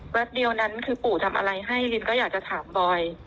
แป๊บเดียวนั้นคือปู่ทำอะไรให้ลินก็อยากจะถามบอย